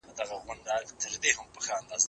هغه وويل چي قلم ضروري دی،